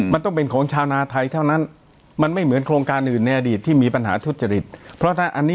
มันต้องเป็นของชาวนาไทยเท่านั้น